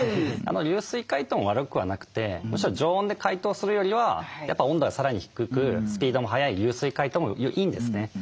流水解凍も悪くはなくてむしろ常温で解凍するよりはやっぱ温度がさらに低くスピードも速い流水解凍もいいんですね。